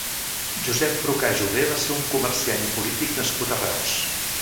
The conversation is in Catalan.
Josep Brocà Jover va ser un comerciant i polític nascut a Reus.